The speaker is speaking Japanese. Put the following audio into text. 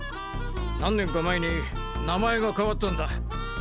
何年か前に名前が変わったんだ。